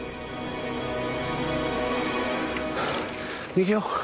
逃げよう。